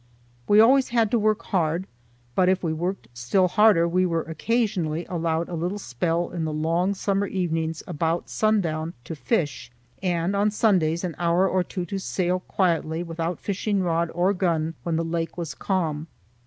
We always had to work hard, but if we worked still harder we were occasionally allowed a little spell in the long summer evenings about sundown to fish, and on Sundays an hour or two to sail quietly without fishing rod or gun when the lake was calm.